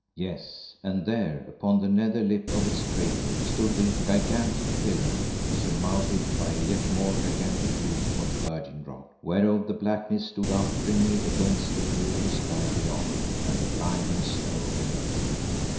Yes, and there upon the nether lip of its crater stood the gigantic pillar, surmounted by a yet more gigantic loop of virgin rock, whereof the blackness stood out grimly against the blue of the sky beyond and the blinding snow beneath.